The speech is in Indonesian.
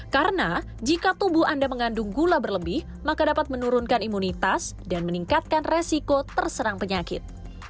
karena jika tubuh anda mengandung gula berlebih maka dapat menurunkan imunitas dan meningkatkan resiko terserang penyakit